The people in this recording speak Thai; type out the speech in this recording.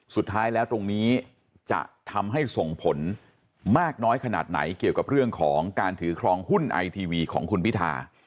สุดท้ายแล้วตรงนี้จะทำให้ส่งผลมากน้อยขนาดไหนเกี่ยวกับเรื่องของการถือครองหุ้นไอทีวีของคุณพิธา